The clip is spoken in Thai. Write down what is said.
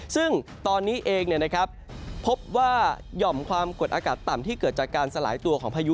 ซึ่งตอนนี้เองพบว่าหย่อมความกดอากาศต่ำที่เกิดจากการสลายตัวของพายุ